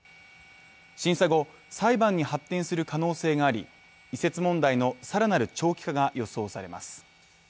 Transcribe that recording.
審査後、裁判に発展する可能性があり移設問題の更なる長期化が予想されます。